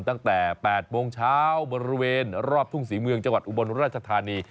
ตั้งแต่๘โมงเช้าบริเวณรอบทุ่งศรีเมืองจังหวัดอุบลราชธานี